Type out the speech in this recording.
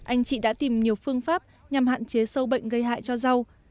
anh chị đã tìm nhiều phương pháp nhằm hạn chế sâu bệnh gây hại cho rau